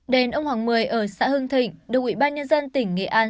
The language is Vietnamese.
đền ông hoàng mười ở xã hưng thịnh được ủy ban nhân dân tỉnh nghệ an